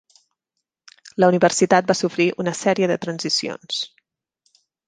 La universitat va sofrir una sèrie de transicions.